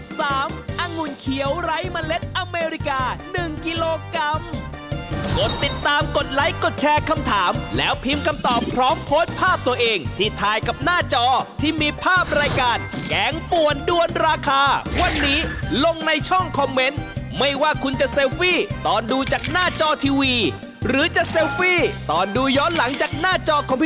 สามอังุ่นเขียวไร้เมล็ดอเมริกา๑กิโลกรัม